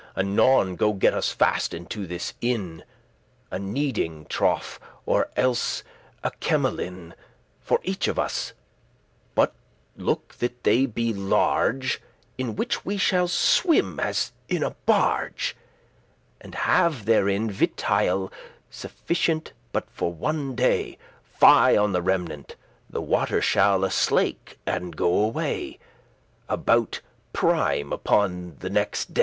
Anon go get us fast into this inn* *house A kneading trough, or else a kemelin*, *brewing tub For each of us; but look that they be large, In whiche we may swim* as in a barge: *float And have therein vitaille suffisant But for one day; fie on the remenant; The water shall aslake* and go away *slacken, abate Aboute prime* upon the nexte day.